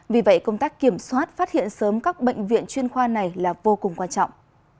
vì vậy công tác kiểm soát phát hiện sớm các bệnh viện chuyên khoa này là vô cùng quan trọng